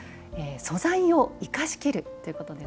「素材を生かしきる」ということ。